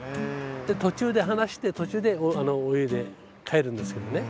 で途中で離して途中で泳いで帰るんですけどね。